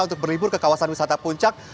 untuk berlibur ke kawasan wisata puncak